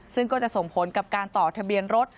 ซึ่งก็จะส่งผลกับการต่อทะเบียนรถ